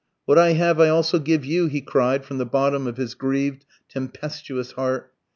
"What I have I also give you," he cried from the bottom of his grieved, tempestuous heart.